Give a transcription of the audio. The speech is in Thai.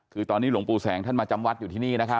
คือตอนนี้หลวงปู่แสงท่านมาจำวัดอยู่ที่นี่นะครับ